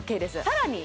さらに